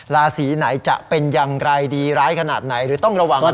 ราศีไหนจะเป็นอย่างไรดีร้ายขนาดไหนหรือต้องระวังกันหน่อย